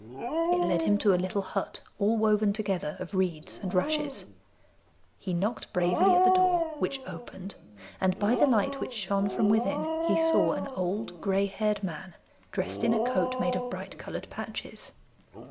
It led him to a little hut all woven together of reeds and rushes. He knocked bravely at the door, which opened, and by the light which shone from within he saw an old gray haired man dressed in a coat made of bright coloured patches.